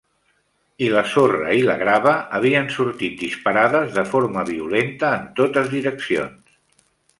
I la sorra i la grava havien sortit disparades de forma violenta en totes direccions.